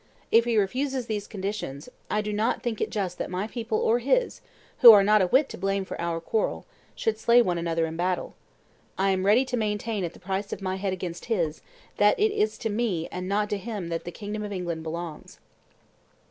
If he refuse these conditions, I do not think it just that my people or his, who are not a whit to blame for our quarrel, should slay one another in battle; I am ready to maintain, at the price of my head against his, that it is to me and not to him that the kingdom of England belongs."